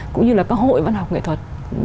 cũng như là các hội văn học nghệ thuật